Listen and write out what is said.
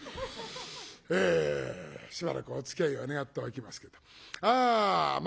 えしばらくおつきあいを願っておきますけどまあ